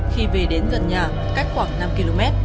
khi về đến gần nhà cách khoảng năm km